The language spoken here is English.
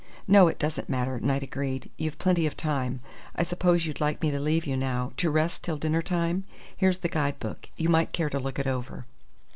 "No, it doesn't matter," Knight agreed. "You've plenty of time. I suppose you'd like me to leave you now, to rest till dinner time? Here's the guide book. You might care to look it over."